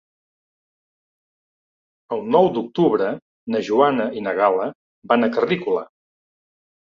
El nou d'octubre na Joana i na Gal·la van a Carrícola.